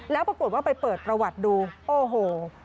แล้วปรากฏว่าไปเปิดประวัติดูโอ้โห